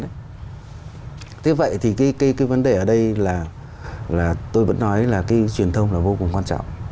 ừ thế vậy thì cái cái cái vấn đề ở đây là là tôi vẫn nói là cái truyền thông là vô cùng quan trọng